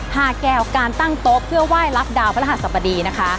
หาแก้วการตั้งโต๊ะเพื่อไหว้รับดาวพระหัสบดีนะคะ